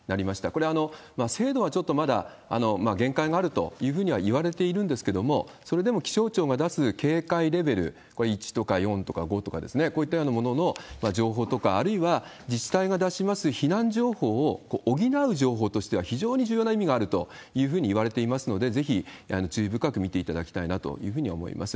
これ、精度はちょっとまだ限界があるというふうにはいわれているんですけれども、それでも気象庁が出す警戒レベル、これ、１とか４とか５とかですね、こういったようなものの情報とか、あるいは自治体が出します避難情報を補う情報としては、非常に重要な意味があるというふうにいわれていますので、ぜひ注意深く見ていただきたいなというふうには思います。